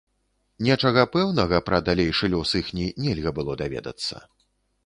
Нечага пэўнага пра далейшы лёс іхні нельга было даведацца.